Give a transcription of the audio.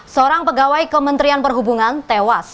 seorang pegawai kementerian perhubungan tewas